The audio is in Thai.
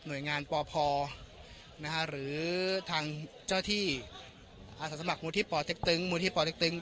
หน่วยงานป่อพอนะฮะหรือทางเจ้าที่อาสาสมัครมูลที่ป่าเต็กตึง